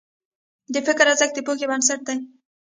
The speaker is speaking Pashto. د فکر ارزښت د پوهې بنسټ دی.